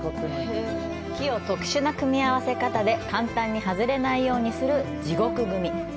木を特殊な組み合わせ方で簡単に離れないようにする「地獄組」。